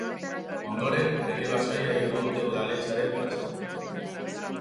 Ondoren, herri-bazkaria egingo dute udaletxearen plazan.